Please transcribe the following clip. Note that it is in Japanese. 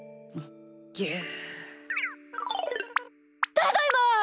ただいま！